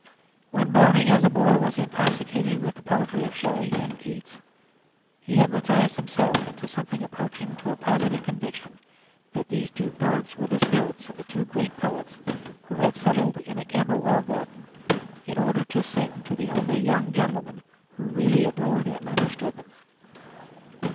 When Browning as a boy was intoxicated with the poetry of Shelley and Keats, he hypnotised himself into something approaching to a positive conviction that these two birds were the spirits of the two great poets who had settled in a Camberwell garden, in order to sing to the only young gentleman who really adored and understood them.